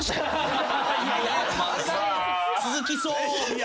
続きそう。